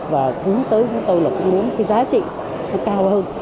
và hướng tới chúng tôi là cũng muốn cái giá trị nó cao hơn